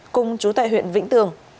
cùng chú tại huyện vĩnh tường